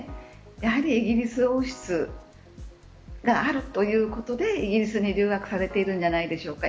やはりイギリス王室があるということでイギリスに留学されているんじゃないでしょうか。